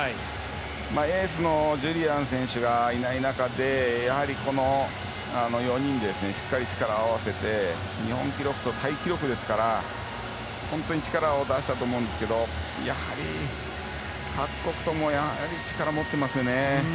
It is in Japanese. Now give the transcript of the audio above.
エースのジュリアン選手がいない中で、この４人でしっかり力合わせて日本記録とタイ記録ですから本当に力を出したと思うんですけどやはり各国とも力を持っていますよね。